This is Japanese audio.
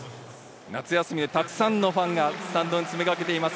夏休みでたくさんのファンがスタンドに詰めかけています。